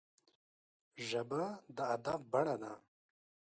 ژبه د ادب بڼه ده